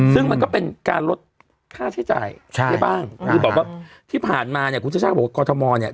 ใช่จ่ายใช่บ้างหรือบอกว่าที่ผ่านมาเนี่ยคุณเจ้าชาติบอกว่ากอทมเนี่ย